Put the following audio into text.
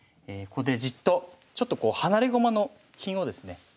ここでじっとちょっとこう離れ駒の金をですね。